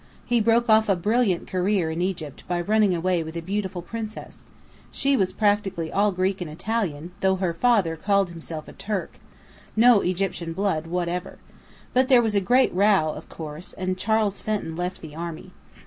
He broke off a brilliant career in Egypt by running away with a beautiful princess. She was practically all Greek and Italian, though her father called himself a Turk: no Egyptian blood whatever. But there was a great row, of course, and Charles Fenton left the Army.